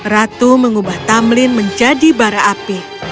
ratu mengubah tamlin menjadi bara api